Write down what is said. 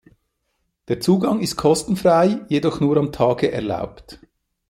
Der Zugang ist kostenfrei, jedoch nur am Tage erlaubt.